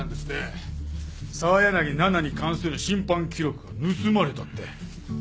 澤柳菜々に関する審判記録が盗まれたって。